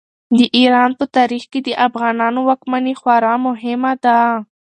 د ایران په تاریخ کې د افغانانو واکمني خورا مهمه ده.